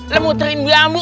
kamu muterin gambu